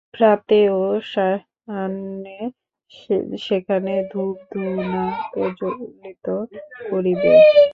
প্রাতে ও সায়াহ্নে সেখানে ধূপ-ধুনা প্রজ্বলিত করিবে।